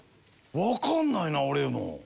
わかんないな俺も。